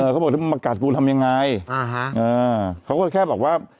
เออเขาบอกว่ามากัดกูทำยังไงอ่าฮะเออเขาก็แค่บอกว่า